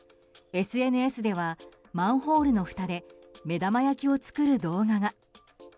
ＳＮＳではマンホールのふたで目玉焼きを作る動画が。